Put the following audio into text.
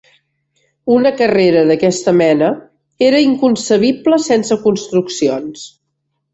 Una carrera d'aquesta mena era inconcebible sense construccions.